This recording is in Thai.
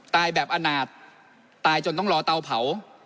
แบบอนาจตายจนต้องรอเตาเผา